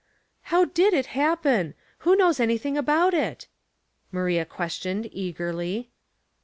" How did it happen ? Who knows anything about it?" Maria questioned, eagerly.